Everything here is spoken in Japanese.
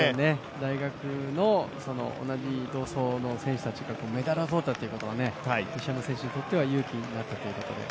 大学の同じ同窓の選手たちがメダルを取ったということは、西山選手にとっては勇気になったと思います。